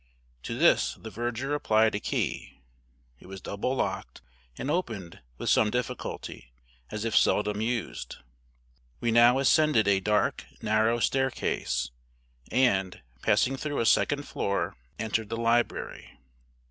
To this the verger applied a key; it was double locked, and opened with some difficulty, as if seldom used. We now ascended a dark narrow staircase, and, passing through a second door, entered the library.